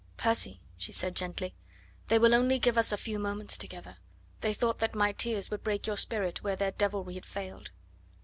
"Percy," she said gently, "they will only give us a few moments together. They thought that my tears would break your spirit where their devilry had failed."